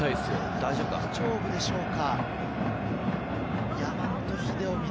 大丈夫でしょうか？